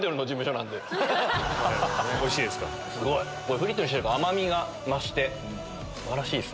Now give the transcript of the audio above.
フリットにしてるから甘みが増して素晴らしいです。